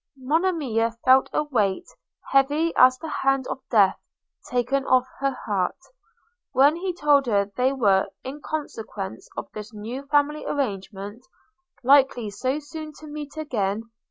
Monimia felt a weight, heavy as the hand of death, taken off her heart, when he told her they were, in consequence of this new family arrangement, likely so soon to meet again.